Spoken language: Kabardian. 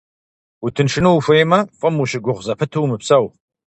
Утыншыну ухуеймэ, фӀым ущыгугъ зэпыту умыпсэу.